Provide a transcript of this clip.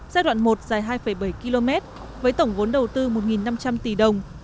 giai đoạn một dài hai bảy km với tổng vốn đầu tư một năm trăm linh tỷ đồng